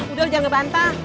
udah lo jangan ngebantah